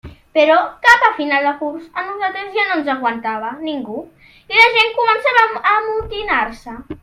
Però cap a final de curs, a nosaltres ja no ens aguantava ningú, i la gent començava a amotinar-se.